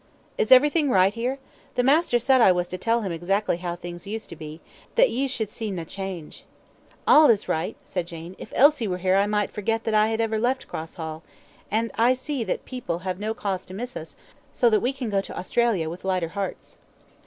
"Is everything right here? The master said I was to tell him exactly how things used to be, that ye should see nae change." "All is right," said Jane. "If Elsie were here I might forget that I ever had left Cross Hall; and I see that our people have no cause to miss us, so that we can go to Australia with lighter hearts."